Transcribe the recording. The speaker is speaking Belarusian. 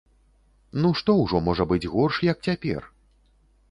Ну што ўжо можа быць горш, як цяпер?